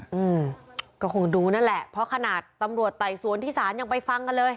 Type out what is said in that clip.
อืมก็คงดูนั่นแหละเพราะขนาดตำรวจไต่สวนที่ศาลยังไปฟังกันเลย